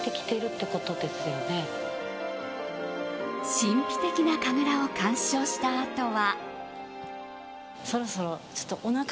神秘的な神楽を鑑賞したあとは。